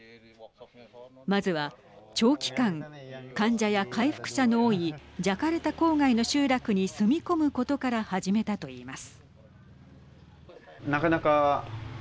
まずは長期間患者や回復者の多いジャカルタ郊外の集落に住み込むことから始めたと言います。